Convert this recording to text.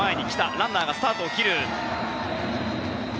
ランナーがスタートを切る。